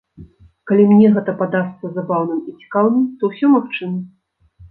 Калі мне гэта падасца забаўным і цікаўны, то ўсё магчыма.